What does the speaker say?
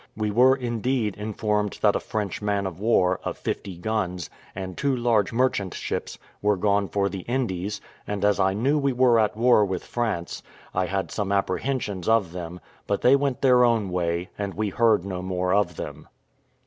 We were, indeed, informed that a French man of war, of fifty guns, and two large merchant ships, were gone for the Indies; and as I knew we were at war with France, I had some apprehensions of them; but they went their own way, and we heard no more of them.